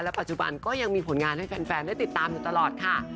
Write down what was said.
ปัจจุบันก็ยังมีผลงานให้แฟนได้ติดตามอยู่ตลอดค่ะ